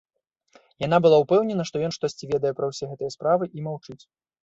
Яна была ўпэўнена, што ён штосьці ведае пра ўсе гэтыя справы і маўчыць.